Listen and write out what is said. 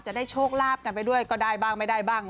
จะได้โชคลาภกันไปด้วยก็ได้บ้างไม่ได้บ้าง